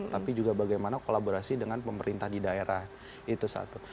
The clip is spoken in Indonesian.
tapi juga bagaimana kolaborasi dengan pemerintah di daerah itu satu